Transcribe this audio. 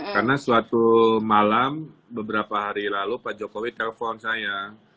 karena suatu malam beberapa hari lalu pak jokowi telepon saya